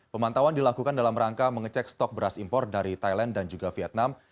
pemantauan dilakukan dalam rangka mengecek stok beras impor dari thailand dan juga vietnam